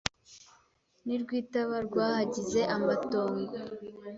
N'i Rwitaba rwahagize amatongo